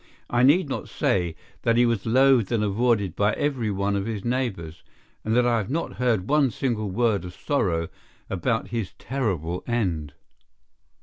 I need not say that he was loathed and avoided by every one of his neighbours, and that I have not heard one single word of sorrow about his terrible end.